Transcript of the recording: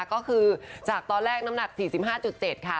ก็คือจากตอนแรกน้ำหนัก๔๕๗ค่ะ